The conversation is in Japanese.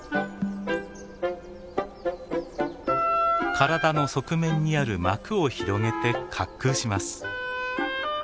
体の側面にある膜を広げて滑空します。